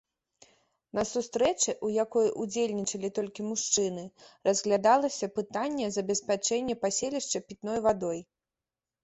На сустрэчы, у якой удзельнічалі толькі мужчыны, разглядалася пытанне забеспячэння паселішча пітной вадой.